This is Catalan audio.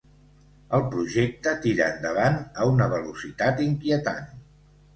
El projecte tira endavant a una velocitat inquietant.